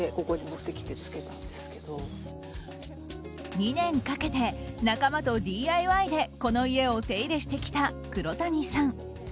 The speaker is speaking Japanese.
２年かけて仲間とＤＩＹでこの家を手入れしてきた黒谷さん。